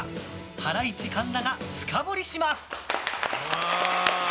ハライチ、神田が深掘りします。